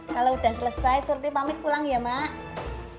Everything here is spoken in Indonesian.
kalau sudah selesai surti pamit pulang ya mak